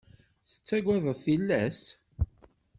Tettagadeḍ tillas?